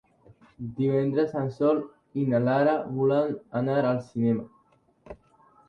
Divendres en Sol i na Lara volen anar al cinema.